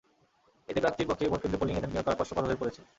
এতে প্রার্থীর পক্ষে ভোটকেন্দ্রে পোলিং এজেন্ট নিয়োগ করা কষ্টকর হয়ে পড়েছে।